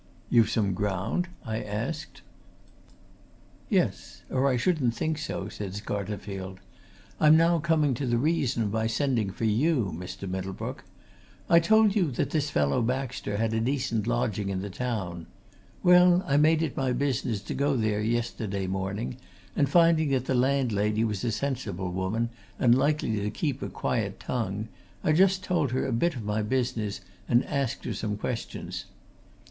"You've some ground?" I asked. "Yes or I shouldn't think so," said Scarterfield. "I'm now coming to the reason of my sending for you, Mr. Middlebrook. I told you that this fellow Baxter had a decent lodging in the town. Well, I made it my business to go there yesterday morning, and finding that the landlady was a sensible woman and likely to keep a quiet tongue I just told her a bit of my business and asked her some questions.